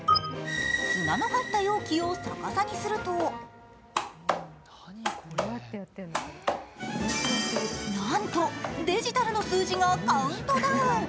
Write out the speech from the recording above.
砂の入った容器を逆さにするとなんとデジタルの数字がカウントダウン。